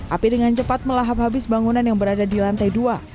api dengan cepat melahap habis bangunan yang berada di lantai dua